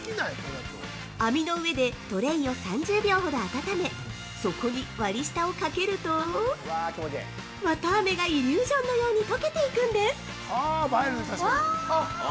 網の上でトレイを３０秒ほど温め、そこに割り下をかけるとわたあめがイリュージョンのように溶けていくんです。